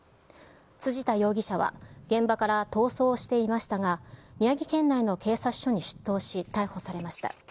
辻田容疑者は、現場から逃走していましたが、宮城県内の警察署に出頭し逮捕しました。